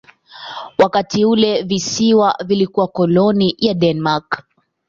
Wakati ule visiwa vilikuwa koloni ya Denmark.